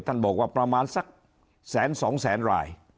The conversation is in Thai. ท่านบอกว่าประมาณสักแสนสองแสนราย